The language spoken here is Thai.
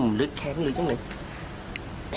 แม่พึ่งจะเอาดอกมะลิมากราบเท้า